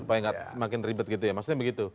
supaya nggak makin ribet gitu ya maksudnya begitu